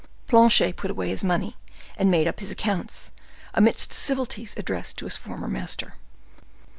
Planchet put away his money, and made up his accounts, amidst civilities addressed to his former master.